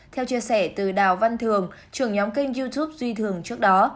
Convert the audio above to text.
theo chia sẻ từ đào văn thường trưởng nhóm kênh youtube duy thường trước đó